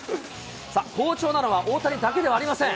さあ、好調なのは大谷だけではありません。